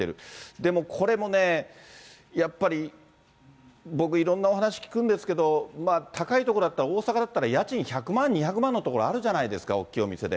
でもこれも、やっぱり僕、いろんなお話聞くんですけど、高い所だったら、家賃１００万、２００万のところあるじゃないですか、大きいお店で。